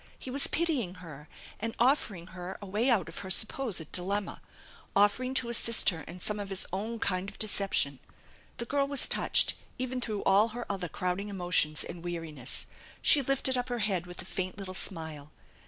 He was pitying her and offering her a way out of her supposed dilemma, offering to assist her in some of his own kind of deception. The girl was touched even through all her other crowding emotions and weariness. She lifted up ner head with a faint little smile.